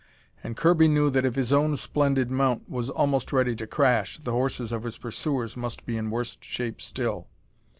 And Kirby knew that if his own splendid mount was almost ready to crash, the horses of his pursuers must be in worse shape still.